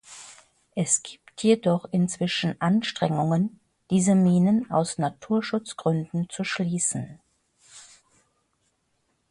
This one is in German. Es gibt jedoch inzwischen Anstrengungen, diese Minen aus Naturschutzgründen zu schließen.